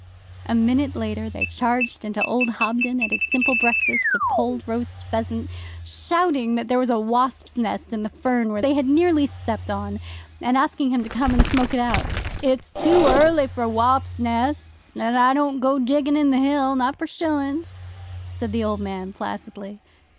A minute later they charged into old Hobden at his simple breakfast of cold roast pheasant, shouting that there was a wasps' nest in the fern which they had nearly stepped on, and asking him to come and smoke it out. 'It's too early for wops nests, an' I don't go diggin' in the Hill, not for shillin's,' said the old man placidly.